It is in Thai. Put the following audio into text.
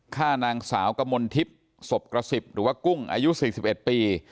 ฆ่านางสาวกมลทิพย์ศพกระสิบหรือว่ากุ้งอายุ๔๑ปี